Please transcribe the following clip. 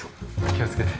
気をつけて。